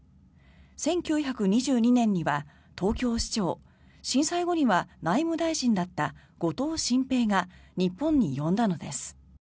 １９２２年には東京市長震災後には内務大臣だった後藤新平が日本に呼んだのです。